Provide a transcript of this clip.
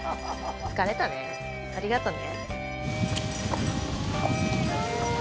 疲れたね。ありがとね。